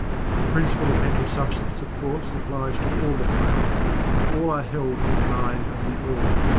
The Principle of Mental Substance of course applies to all the planes, for all are held in the Mind of THE ALL.